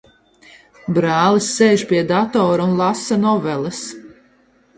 Brālis sēž pie datora un lasa noveles.